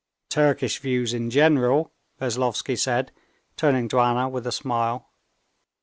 "Turkish views, in general," Veslovsky said, turning to Anna with a smile.